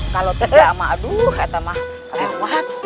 kalau tidak aduh itu mah lewat